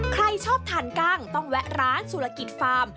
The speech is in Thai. ใครชอบทานกล้างต้องแวะร้านสุรกิจฟาร์ม